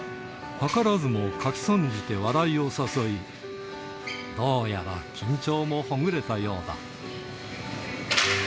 図らずも書き損じて笑いを誘い、どうやら緊張もほぐれたようだ。